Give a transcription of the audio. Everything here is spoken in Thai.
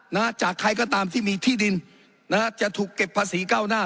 นะฮะจากใครก็ตามที่มีที่ดินนะฮะจะถูกเก็บภาษีเก้าหน้า